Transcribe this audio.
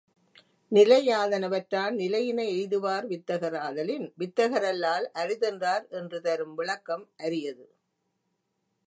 நிலையாதனவற்றான் நிலையின எய்துவார் வித்தகர் ஆதலின் வித்தகர்க்கல்லால் அரிதென்றார் என்று தரும் விளக்கம் அரியது.